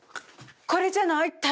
これじゃない？